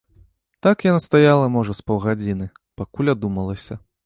Так яна стаяла, можа, з паўгадзіны, пакуль адумалася.